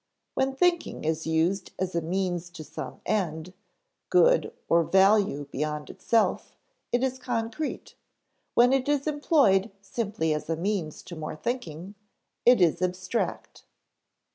_When thinking is used as a means to some end, good, or value beyond itself, it is concrete; when it is employed simply as a means to more thinking, it is abstract.